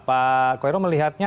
pak koirul melihatnya